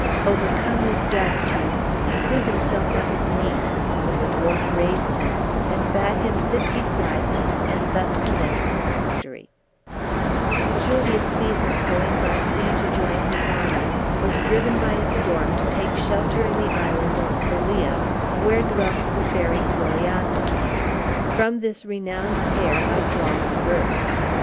Overcome with gratitude, he threw himself on his knees, but the dwarf raised him, and bade him sit beside him, and thus commenced his history: "Julius Caesar, going by sea to join his army, was driven by a storm to take shelter in the island of Celea, where dwelt the fairy Glorianda. From this renowned pair I draw my birth.